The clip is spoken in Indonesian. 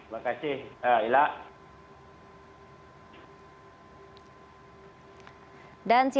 baik terima kasih